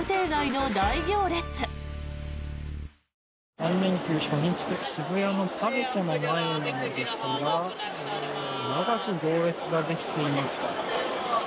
３連休初日渋谷のＰＡＲＣＯの前なんですが長い行列ができています。